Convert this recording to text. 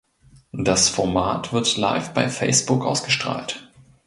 Das Format wird live bei Facebook ausgestrahlt.